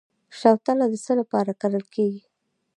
شوتله د څه لپاره کرل کیږي؟